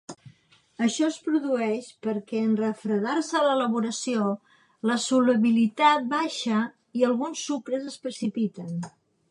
Això es produeix, perquè en refredar-se l’elaboració, la solubilitat baixa i alguns sucres es precipiten.